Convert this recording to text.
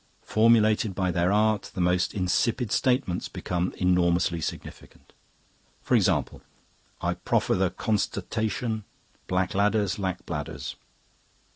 Formulated by their art the most insipid statements become enormously significant. For example, I proffer the constatation, 'Black ladders lack bladders.